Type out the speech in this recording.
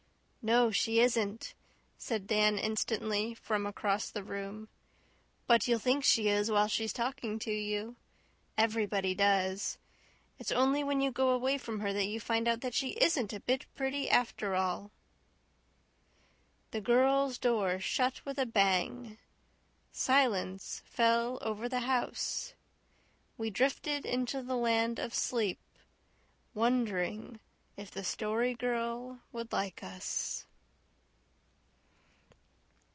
"No, she isn't," said Dan instantly, from across the room. "But you'll think she is while she's talking to you. Everybody does. It's only when you go away from her that you find out she isn't a bit pretty after all." The girls' door shut with a bang. Silence fell over the house. We drifted into the land of sleep, wondering if the Story Girl would like us.